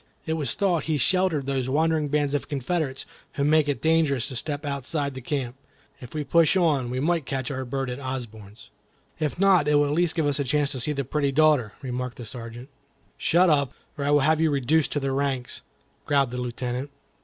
It was thought he sheltered these wandering bands of Confederates who make it dangerous to step outside the camp. If we push on, we may catch our bird at Osborne's." "If not, it will at least give you a chance to see the pretty daughter," remarked the Sergeant. "Shut up, or I will have you reduced to the ranks," growled the Lieutenant.